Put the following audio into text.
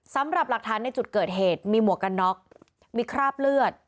สำหรับหลักฐานในจุดเกิดเหตุมีหมวกกันน็อกมีคราบเลือด